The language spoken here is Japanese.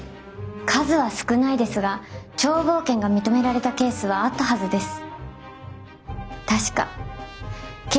数は少ないですが眺望権が認められたケースはあったはずです。